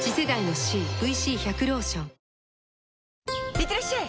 いってらっしゃい！